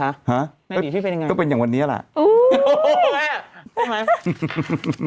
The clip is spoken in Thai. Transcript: ฮะนาดีตพี่เป็นอย่างไรคะโอ้โฮใช่ไหม